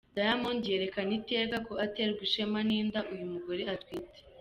Diamond yerekana iteka ko aterwa ishema n’inda uyu mugore atwite.